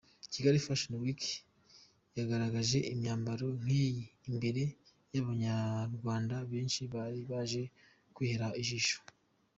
Kigali Fashion Week yagaragje imyambaro nkiyi imbere y'abanyarwanda benshi bari baje kwihera ijisho.